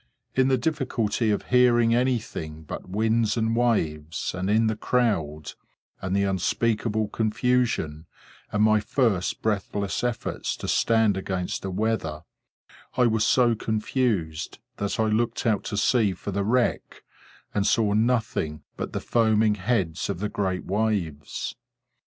In the difficulty of hearing anything but winds and waves, and in the crowd, and the unspeakable confusion, and my first breathless efforts to stand against the weather, I was so confused that I looked out to sea for the wreck, and saw nothing but the foaming heads of the great waves.